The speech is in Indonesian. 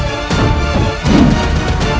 aku akan mencari dia